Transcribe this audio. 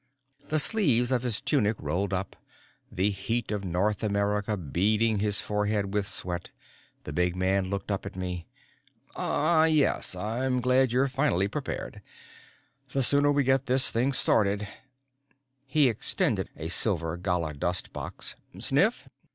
The sleeves of his tunic rolled up, the heat of North America beading his forehead with sweat, the big man looked up at me. "Ah, yes. I'm glad you're finally prepared. The sooner we get this thing started " He extended a silver galla dust box. "Sniff?